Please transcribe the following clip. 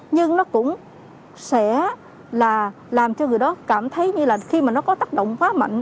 nhưng nó cũng sẽ là làm cho người đó cảm thấy như là khi mà nó có tác động quá mạnh